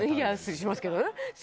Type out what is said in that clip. しますけど。